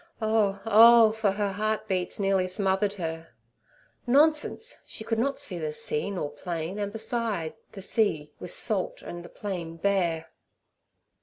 Oh, oh! for her heart beats nearly smothered her. Nonsense! she could not see the sea nor plain, and, beside, the sea was salt and the plain bare.